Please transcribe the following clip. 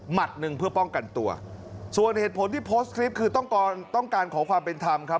หนึ่งเพื่อป้องกันตัวส่วนเหตุผลที่โพสต์คลิปคือต้องการต้องการขอความเป็นธรรมครับ